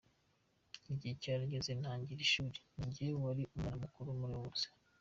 Igihe cyarageze ntangira ishuri, ni njye wari umwana mukuru muri abo bose.